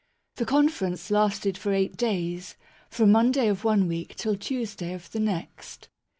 The conference lasted for eight days, from Monday of one week till Tuesday of the next.